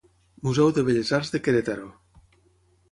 Museu de Belles arts de Querétaro.